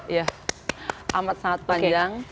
ya amat amat panjang